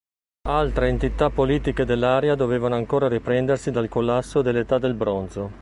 Altre entità politiche dell'area dovevano ancora riprendersi dal collasso dell'età del bronzo.